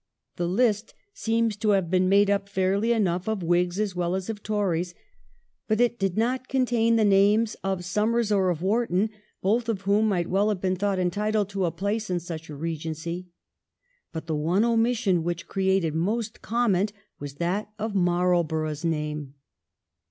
The list seems to have been made up fairly enough of Whigs as well as of Tories, but it did not contain the names of Somers or of Wharton, both of whom might well have been thought entitled to a place in such a Eegency. But the one omission which created most comment was that of Marlborough's name.